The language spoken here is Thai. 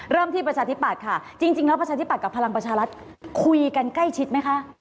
ที่ประชาธิปัตย์ค่ะจริงแล้วประชาธิบัตย์กับพลังประชารัฐคุยกันใกล้ชิดไหมคะ